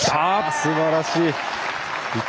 すばらしい。